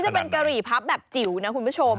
อันนี้จะเป็นกะหรี่ปั๊บแบบจิ๋วเนี่ยคุณผู้ชม